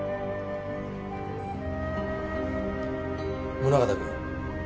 宗形君